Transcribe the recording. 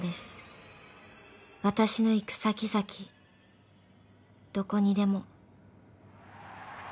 ［私の行く先々どこにでも］